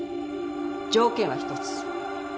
条件は１つ。